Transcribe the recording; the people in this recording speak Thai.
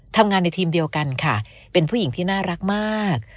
ทำงานในทีมเดียวกันค่ะเป็นผู้หญิงที่น่ารักมาก